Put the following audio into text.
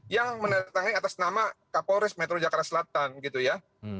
yang mendatangi atas nama kapolres metro jakarta selatan gitu ya